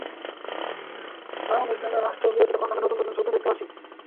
বাংলাদেশ নামের রাষ্ট্র পেয়েছি বলে এখন আমরা নতুন নতুন স্বপ্ন দেখতে পারছি।